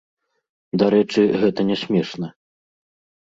Дарэчы, гэта не смешна.